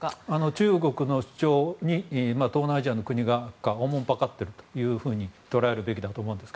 中国の主張に東南アジアの国が慮ってると捉えるべきだと思うんです。